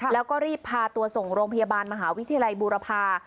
แล้วก็รีบพาตัวส่งโรงพยาบาลมหาวิทยาลัยบูรพา